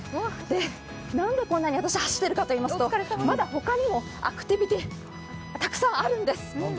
なんでこんなに私、走っているかといいますとまだ他にもアクティビティーたくさんあるんです。